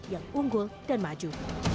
yang unggul dan maju